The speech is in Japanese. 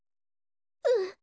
うん。